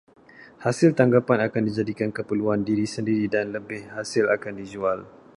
Hasil tangkapan akan dijadikan keperluan diri sendiri dan lebihan hasil akan dijual.